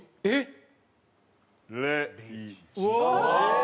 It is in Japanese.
えっ？